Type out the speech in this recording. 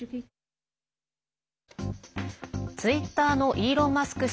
ツイッターのイーロン・マスク